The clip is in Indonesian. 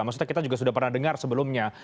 maksudnya kita juga sudah pernah dengar sebelumnya